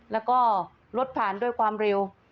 แล้วก็รถผ่านด้วยความเร็ว